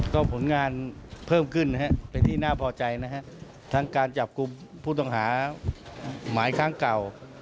ก็ผลงานเพิ่มขึ้นนะฮะเป็นที่น่าพอใจนะฮะทั้งการจับกลุ่มผู้ต้องหาหมายครั้งเก่า